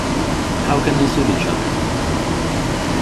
How can they suit each other?